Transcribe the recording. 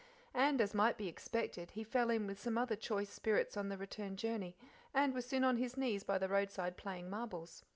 And, as might be expected, he fell in with some other choice spirits on the return journey, and was soon on his knees by the roadside playing marbles.